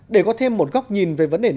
để có thêm một góc nhìn